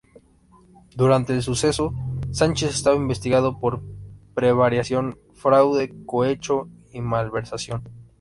Durante el suceso, Sánchez estaba investigado por prevaricación, fraude, cohecho y malversación.